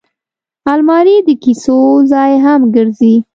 الماري د کیسو ځای هم ګرځي